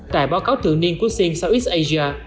tại báo cáo thượng niên của sien south east asia